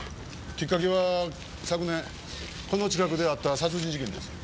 きっかけは昨年この近くであった殺人事件です。